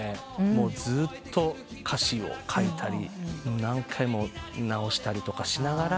もうずっと歌詞を書いたり何回も直したりしながら。